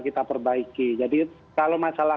kita perbaiki jadi kalau masalah